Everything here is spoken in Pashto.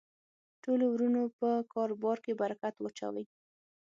ټولو ورونو په کاربار کی برکت واچوی